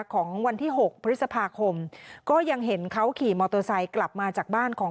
ของวันที่๖พฤษภาคมก็ยังเห็นเขาขี่มอเตอร์ไซค์กลับมาจากบ้านของ